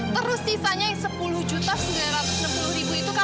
terus sisanya sepuluh sembilan ratus enam puluh itu kapan mau bayar